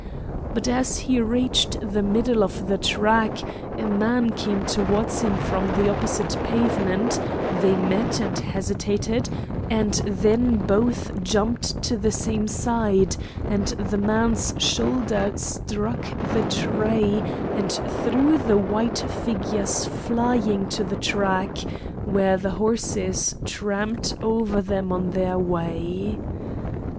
But as he reached the middle of the track a man came towards him from the opposite pavement; they met and hesitated, and then both jumped to the same side, and the man's shoulder struck the tray and threw the white figures flying to the track, where the horses tramped over them on their way.